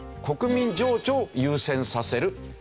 国民情緒を優先させる。